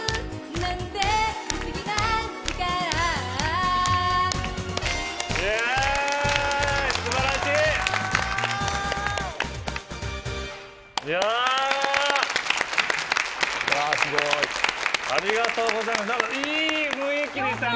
何かいい雰囲気でしたね。